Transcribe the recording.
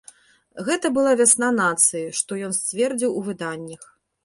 Гэта была вясна нацыі, што ён сцвердзіў у выданнях.